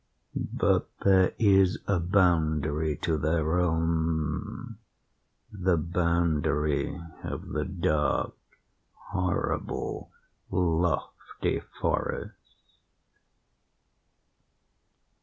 "But there is a boundary to their realm—the boundary of the dark, horrible, lofty forest.